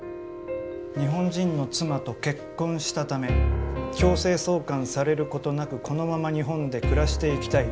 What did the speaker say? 日本人の妻と結婚したため強制送還されることなくこのまま日本で暮らしていきたい。